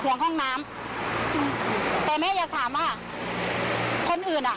เธอนวนคนะของน้ำแต่แม่อยากถามว่าคนอื่นอ่ะ